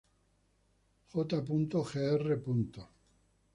J. Gr.